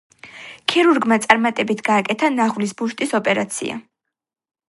ქირურგმა წარმატებით გააკეთა ნაღვლის ბუშტის ოპერაცია.